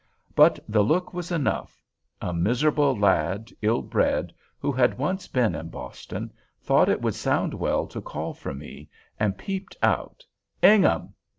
But the look was enough. A miserable lad, ill bred, who had once been in Boston, thought it would sound well to call for me, and peeped out, "Ingham!"